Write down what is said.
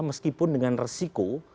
meskipun dengan resiko